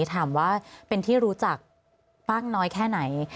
ถามว่าเป็นที่รู้จักบ้างน้อยแค่ไหน